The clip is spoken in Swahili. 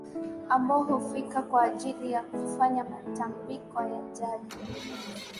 ambao hufika kwa ajili ya kufanya matambiko ya jadi